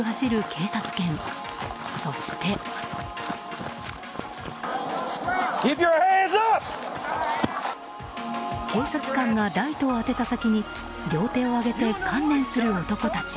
警察官がライトを当てた先に両手を上げて観念する男たち。